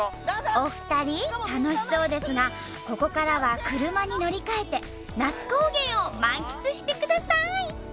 お二人楽しそうですがここからは車に乗り換えて那須高原を満喫してください！